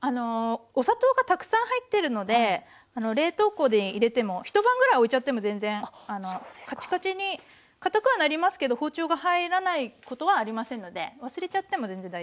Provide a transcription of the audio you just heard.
お砂糖がたくさん入ってるので冷凍庫に入れても一晩ぐらいおいちゃっても全然カチカチにかたくはなりますけど包丁が入らないことはありませんので忘れちゃっても全然大丈夫です。